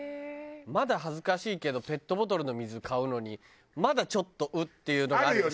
まだ恥ずかしいけどペットボトルの水買うのにまだちょっとうっ！っていうのがあるよ